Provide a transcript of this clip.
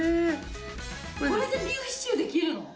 これでビーフシチューできるの？